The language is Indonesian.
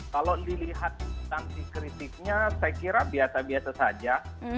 kalau dilihat substansi kritiknya saya kira biasa biasa saja